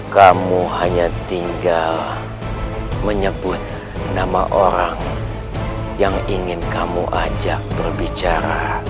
kamu hanya tinggal menyebut nama orang yang ingin kamu ajak berbicara